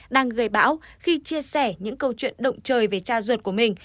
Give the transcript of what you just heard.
đang gây bão khi chia sẻ những câu chuyện động trời về cha ruột của mình